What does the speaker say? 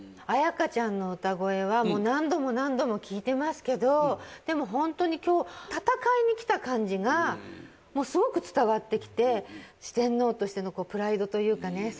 彩加ちゃんの歌声はもう何度も何度も聴いてますけどでも本当に今日戦いに来た感じがもうすごく伝わってきて四天王としてのプライドというかね